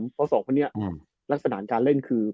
เพราะสองคนนี้ลักษณะการเล่นคือ